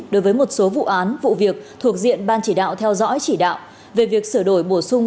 đối với một số vụ án vụ việc thuộc diện ban chỉ đạo theo dõi chỉ đạo về việc sửa đổi bổ sung